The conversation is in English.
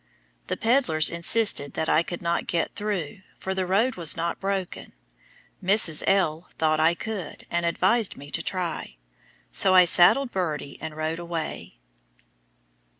The pedlars insisted that I could not get through, for the road was not broken. Mrs. L. thought I could, and advised me to try, so I saddled Birdie and rode away.